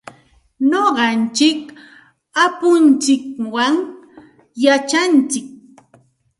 Nuqanchik apuntsikwan yachantsik.